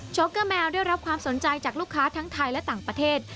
โกเกอร์แมวได้รับความสนใจจากลูกค้าทั้งไทยและต่างประเทศ